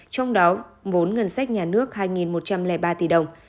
trong đó vốn ngân sách nhà nước hai một trăm linh ba tỷ đồng